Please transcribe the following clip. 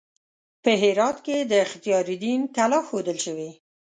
په هرات کې د اختیار الدین کلا ښودل شوې.